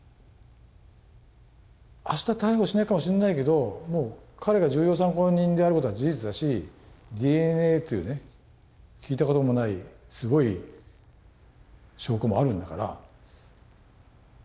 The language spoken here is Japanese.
あした逮捕しないかもしんないけどもう彼が重要参考人であることは事実だしＤＮＡというね聞いたこともないすごい証拠もあるんだから書くべきだと。